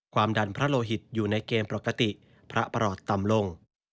ความดันพระโลหิตอยู่ในเกณฑ์ปกติพระประหลอดต่ำลง